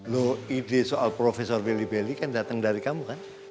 lo ide soal profesor biliwili kan dateng dari kamu kan